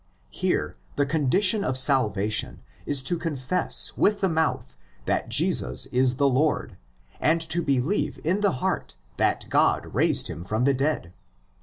Here the condition of salvation is to confess with the mouth that Jesus is the Lord (ὅτι κύριος 'Incovc), and to believe in the heart that God raised him from the dead (x.